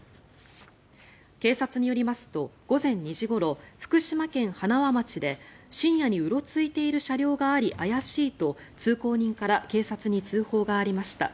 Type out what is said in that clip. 警察によりますと午前２時ごろ福島県塙町で深夜にうろついている車両があり怪しいと通行人から警察に通報がありました。